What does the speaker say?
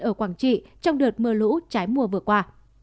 ở quảng trị trong đợt mưa lũ trái mùa vừa qua